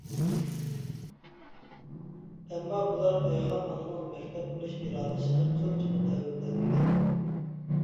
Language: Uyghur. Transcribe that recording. ئەمما بۇلار ئايخان ئانىنىڭ مەكتەپ قۇرۇش ئىرادىسىنى قىلچىمۇ تەۋرىتەلمىگەن.